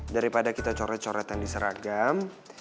daripada kita coret coret yang diseragam